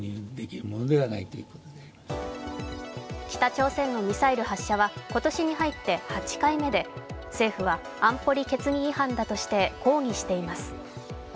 北朝鮮のミサイル発射は今年に入って８回目で政府は安保理決議違反だとして抗議しています。